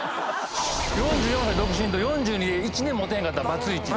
４４歳独身と４２で１年モテへんかったバツイチ。